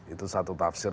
itu satu tafsir